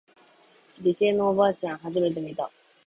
理系のおばあちゃん初めて見た。